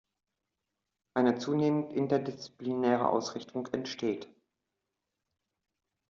Eine zunehmend interdisziplinäre Ausrichtung entsteht.